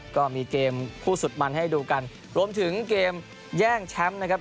ก็มีเกมคู่สุดมันให้ดูกันรวมถึงเกมแย่งแชมป์นะครับ